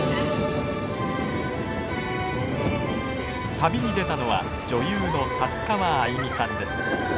旅に出たのは女優の佐津川愛美さんです。